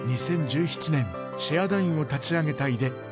２０１７年シェアダインを立ち上げた井出。